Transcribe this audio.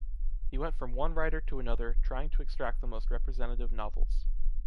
He went from one writer to another, trying to extract the most representative novels.